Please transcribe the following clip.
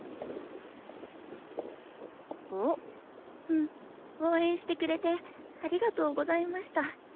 うん応援してくれてありがとうございました。